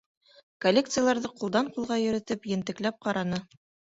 Коллекцияларҙы ҡулдан ҡулға йөрөтөп, ентекләп ҡараны.